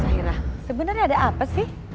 akhirnya sebenarnya ada apa sih